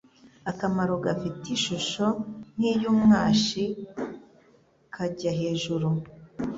akarango gafite ishusho nk'iy'umwashi kajya hejuru.